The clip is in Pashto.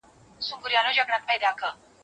هغه د خپلي پوهني په برکت دغه ځای ته ورسېدی.